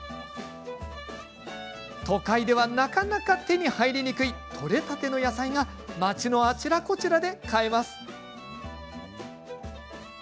都会ではなかなか手に入りにくいとれたての野菜が街のあちらこちらで買えます。